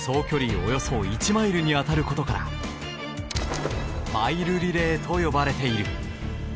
およそ１マイルに当たることからマイルリレーと呼ばれている。